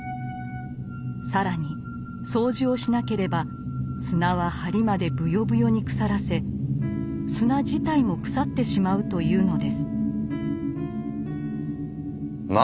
更に掃除をしなければ砂は梁までぶよぶよに腐らせ砂自体も腐ってしまうというのです。